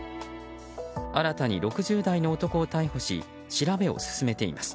新たに６０代の男を逮捕し調べを進めています。